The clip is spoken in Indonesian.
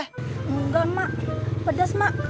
engga mak pedas mak